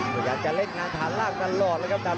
พยายามกระเรกงานถ้านรากตลอดแล้วกับดำ